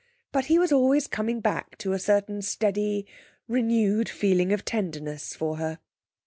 But he was always coming back to a certain steady, renewed feeling of tenderness for her.